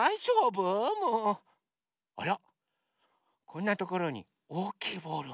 こんなところにおおきいボール。